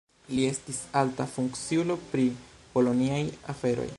Li estis alta funkciulo pri koloniaj aferoj.